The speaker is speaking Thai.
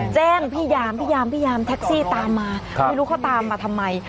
แจ้งพี่ยามพี่ยามพี่ยามแท็กซี่ตามมาไม่รู้เขาตามมาทำไม